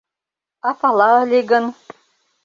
А пала ыле гын...»